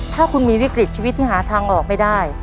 ถ้าคุณมีวิกฤตชีวิตที่หาทางออกไม่ได้